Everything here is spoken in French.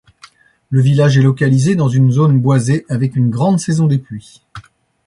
Le village est localisé dans une zone boisée, avec une grande saison des pluies.